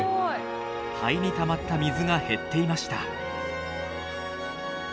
肺にたまった水が減っていました。